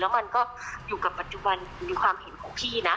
มันก็อยู่กับปัจจุบันในความเห็นของพี่นะ